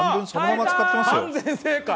完全正解。